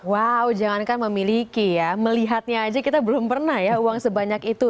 wow jangankan memiliki ya melihatnya aja kita belum pernah ya uang sebanyak itu